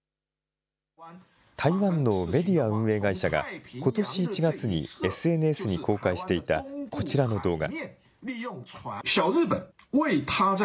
台湾のメディア運営会社が、ことし１月にＳＮＳに公開していたこちらの動画。